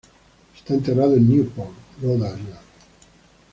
Está enterrado en Newport, Rhode Island.